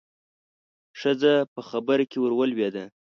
ښځه په خبره کې ورولوېدله.